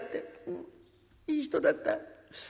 うんいい人だった。